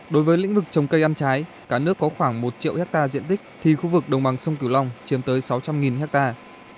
đối với lĩnh vực trồng cây ăn trái cả nước có khoảng một triệu hectare diện tích thì khu vực đồng bằng sông cửu long chiếm tới sáu trăm linh hectare